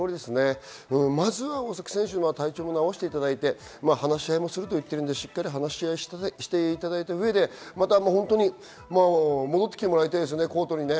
まずは体調を治していただいて話し合いもすると言っているので、話し合いをしていただいた上で、戻ってきてもらいたいですね。